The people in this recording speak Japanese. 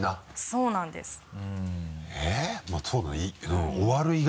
そうなんですよ。